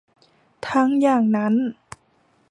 ทั้งอย่างนั้น